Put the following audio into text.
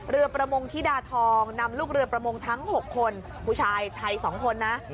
ประมงธิดาทองนำลูกเรือประมงทั้ง๖คนผู้ชายไทย๒คนนะ